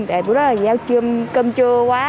bữa đó là giao cơm trưa quá